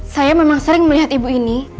saya memang sering melihat ibu ini